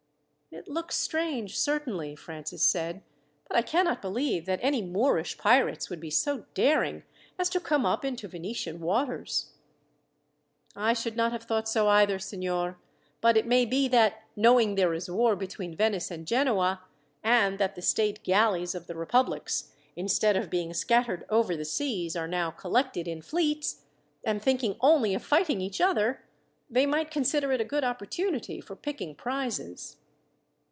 "It looks strange, certainly," Francis said; "but I cannot believe that any Moorish pirates would be so daring as to come up into Venetian waters." "I should not have thought so either, signor; but it may be that, knowing there is war between Venice and Genoa, and that the state galleys of the republics, instead of being scattered over the seas, are now collected in fleets, and thinking only of fighting each other, they might consider it a good opportunity for picking prizes."